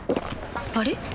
あれ？